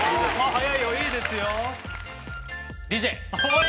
早い早いですよ。